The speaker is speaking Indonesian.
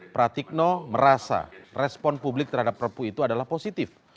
pratikno merasa respon publik terhadap perpu itu adalah positif